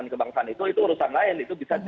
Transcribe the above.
kebangsaan itu itu urusan lain itu bisa